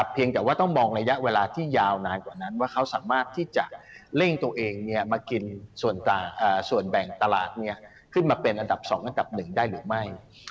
เพียงแต่ว่าต้องมองระยะเวลาที่ยาวนานกว่านั้นว่าเขาสามารถที่จะเร่งตัวเองมากินส่วนแบ่งตลาดขึ้นมาเป็นอันดับ๒อันดับ๑ได้หรือไม่